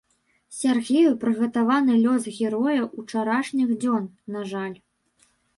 Сяргею прыгатаваны лёс героя ўчарашніх дзён, на жаль.